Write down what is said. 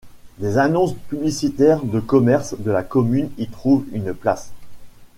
Des annonces publicitaires de commerces de la commune y trouvent une place.